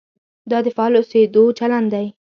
دا د فعال اوسېدو چلند دی.